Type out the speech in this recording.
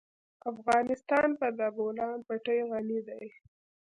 افغانستان په د بولان پټي غني دی.